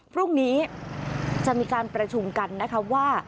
พรุ่งนี้จะมีการประชุมกันนะคะว่า